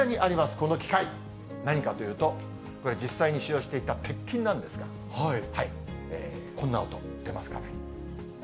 この機械、何かというと、これ実際に使用していた鉄琴なんですが、こんな音、出ますかね。